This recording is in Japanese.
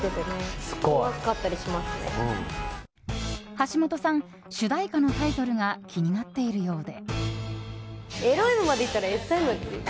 橋本さん、主題歌のタイトルが気になっているようで。